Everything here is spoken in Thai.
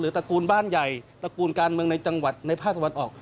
ตระกูลบ้านใหญ่ตระกูลการเมืองในจังหวัดในภาคตะวันออก